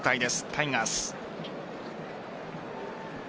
タイガース。